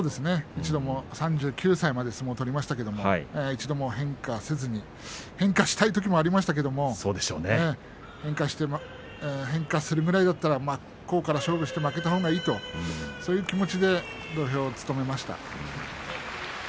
一度も、３９歳まで相撲を取りましたが一度も変化をせずに変化をしたいときもありましたが変化するくらいだったら真っ向から勝負して負けたほうがいいそういう気持ちで土俵を務めました。